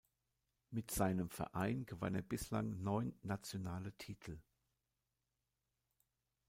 Mit seinem Verein gewann er bislang neun nationale Titel.